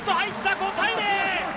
５対０！